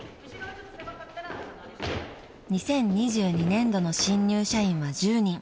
［２０２２年度の新入社員は１０人］